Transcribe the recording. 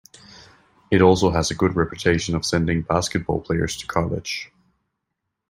It also has a good reputation of sending basketball players to college.